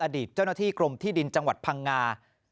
อดีตเจ้าหน้าที่กรมที่ดินจังหวัดพังงา